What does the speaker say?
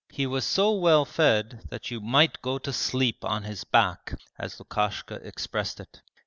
He was so well fed that 'you might go to sleep on his back' as Lukashka expressed it.